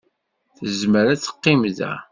Tezmer ad teqqim da.